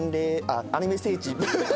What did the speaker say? あっ「アニメ聖地」